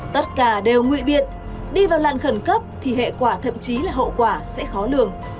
tất cả đều ngụy biện đi vào làn khẩn cấp thì hệ quả thậm chí là hậu quả sẽ khó lường